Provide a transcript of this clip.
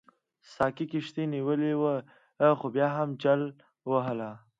ساقي کښتۍ نیولې وه خو بیا هم جل وهله.